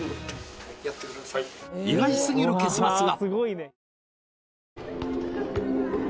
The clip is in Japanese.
意外すぎる結末が！